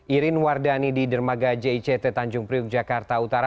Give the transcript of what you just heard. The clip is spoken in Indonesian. irin wardani di dermaga jict tanjung priuk jakarta utara